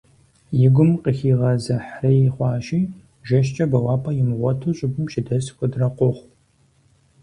И гум къыхигъэзыхьрей хъуащи, жэщкӀэ бэуапӀэ имыгъуэту щӀыбым щыдэс куэдрэ къохъу.